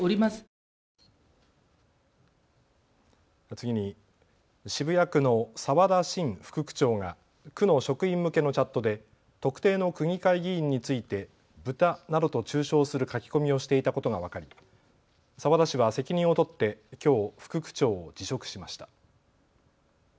次に、渋谷区の澤田伸副区長が区の職員向けのチャットで特定の区議会議員についてブタなどと中傷する書き込みをしていたことが分かり、澤田氏は責任を取ってきょう副区長を辞職しました。